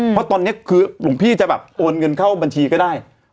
เพราะตอนนี้คือหลวงพี่จะแบบโอนเงินเข้าบัญชีก็ได้